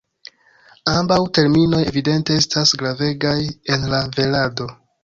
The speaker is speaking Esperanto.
Ambaŭ terminoj evidente estas gravegaj en la velado.